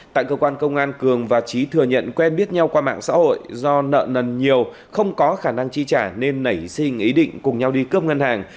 tại cơ quan công an cường và trí thừa nhận quen biết nhau qua mạng xã hội do nợ nần nhiều không có khả năng chi trả nên nảy sinh ý định cùng nhau đi cướp ngân hàng